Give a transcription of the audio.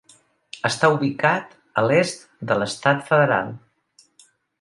Està ubicat a l'est de l'Estat federal.